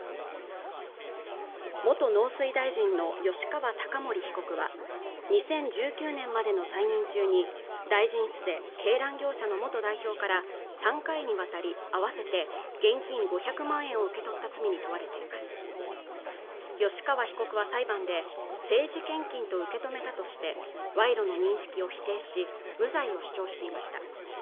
元農水大臣の吉川貴盛被告は２０１９年までの在任中に大臣室で鶏卵業者の元代表から３回にわたり合わせて現金５００万円を受け取った罪に問われています吉川被告は裁判で政治献金と受け止めたとして賄賂の認識を否定し無罪を主張していました